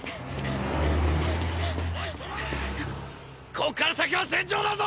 こっから先は戦場だぞ！！